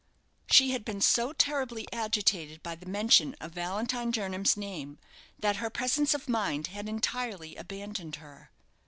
She had been so terribly agitated by the mention of Valentine Jernam's name, that her presence of mind had entirely abandoned her.